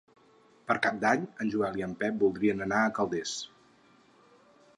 Per Cap d'Any en Joel i en Pep voldrien anar a Calders.